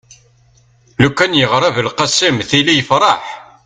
lukan yeɣra belqsem tili yefreḥ